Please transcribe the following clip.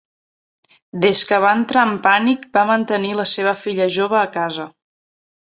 Des que va entrar en pànic, va mantenir la seva filla jove a casa.